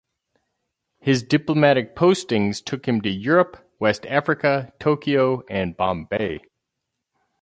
His diplomatic postings took him to Europe, West Africa, Tokyo and Bombay.